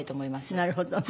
なるほどね。